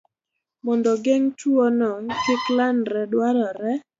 Mondo ogeng' tuwono kik landre, dwarore